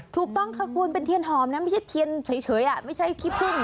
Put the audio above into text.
ถูกต้องค่ะคุณเป็นเทียนหอมนะไม่ใช่เทียนเฉยไม่ใช่ขี้พึ่ง